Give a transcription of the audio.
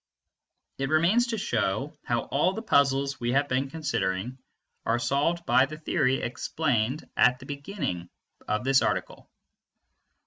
It remains to show how all the puzzles we have been considering are solved by the theory explained at the beginning of this article.